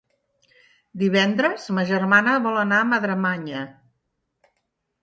Divendres ma germana vol anar a Madremanya.